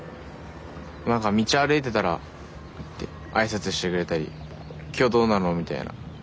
何か道歩いてたらって挨拶してくれたり今日どうなの？みたいな。